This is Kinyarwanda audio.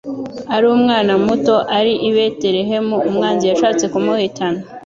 ari umwana muto ari i Betelehemu, umwanzi yashatse kumuhitana.